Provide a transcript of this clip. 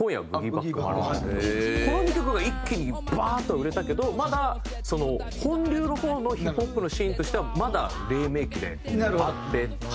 この２曲が一気にバーッと売れたけどまだ本流の方のＨＩＰＨＯＰのシーンとしてはまだ黎明期であってっていう。